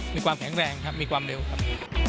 มีความแข็งแรงครับมีความเร็วครับ